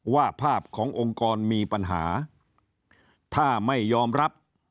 ว่าภาพขององค์กรมีปัญหาถ้าไม่ยอมรับ